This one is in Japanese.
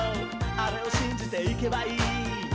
あれをしんじていけばいい」